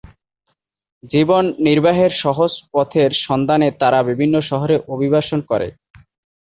জীবন-নির্বাহের সহজ পথের সন্ধানে তাঁরা বিভিন্ন শহরে অভিবাসন করে।